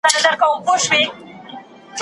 ځینو چارواکو د فساد، ناغيړۍ او همداراز د مافیایي